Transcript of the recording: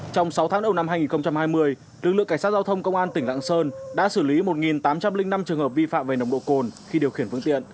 trong sáu tháng đầu năm hai nghìn hai mươi lực lượng cảnh sát giao thông công an tỉnh lạng sơn đã xử lý một tám trăm linh năm trường hợp vi phạm về nồng độ cồn khi điều khiển phương tiện